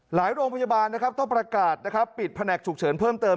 โรงพยาบาลนะครับต้องประกาศนะครับปิดแผนกฉุกเฉินเพิ่มเติม